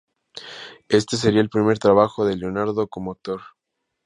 Este sería el primer trabajo de Leonardo como actor.